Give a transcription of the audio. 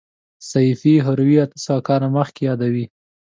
سیفي هروي اته سوه کاله مخکې یادوي.